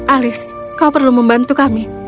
alis kau perlu membantu kami